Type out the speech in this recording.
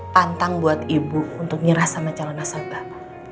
pantang buat ibu untuk nyerah sama calon nasabah